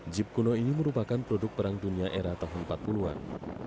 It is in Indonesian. jeep kuno ini merupakan produk perang dunia era tahun empat puluh an